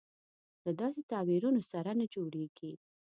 له داسې تعبیرونو سره نه جوړېږي.